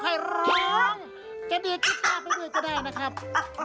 กระเดียกีต้าไปด้วยก็ได้นะครับ